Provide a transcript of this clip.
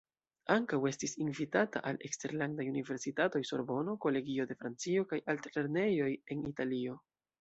Ankaŭ estis invitata al eksterlandaj universitatoj: Sorbono, Kolegio de Francio kaj altlernejoj en Italio.